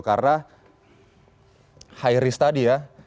karena high risk tadi ya